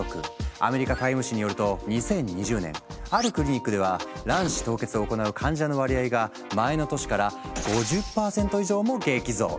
アメリカ「ＴＩＭＥ」誌によると２０２０年あるクリニックでは卵子凍結を行う患者の割合が前の年から５０％以上も激増。